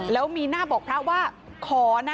แล้วมีหน้าบอกพระว่าขอนะ